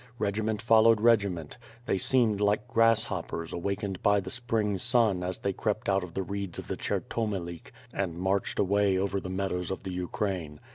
Regiment fol lowed regiment. They seemed like grasshoppers awakened by the spring sun as they crept out of the reeds of the Cher tomelik and marched away over the meadows of the Ukraine.